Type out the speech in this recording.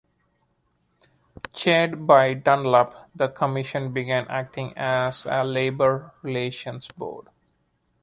Chaired by Dunlop, the commission began acting as a labor relations board.